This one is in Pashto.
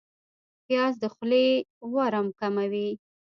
پیاز د خولې ورم کموي